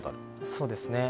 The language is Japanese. そうですね。